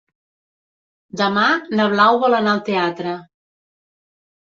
Demà na Blau vol anar al teatre.